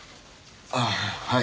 ああはい。